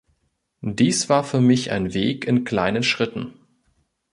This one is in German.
Dies war für mich ein Weg in kleinen Schritten.